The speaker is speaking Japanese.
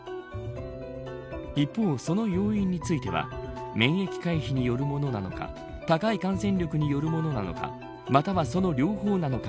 一方、その要因については免疫回避によるものなのか高い感染力によるものなのか